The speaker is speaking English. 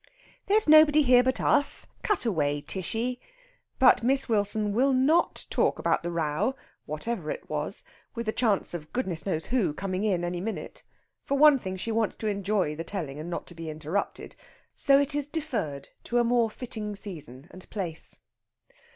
"There's nobody here but us. Cut away, Tishy!" But Miss Wilson will not talk about the row, whatever it was, with the chance of goodness knows who coming in any minute. For one thing, she wants to enjoy the telling, and not to be interrupted. So it is deferred to a more fitting season and place.